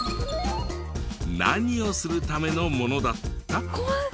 何をするためのものだった？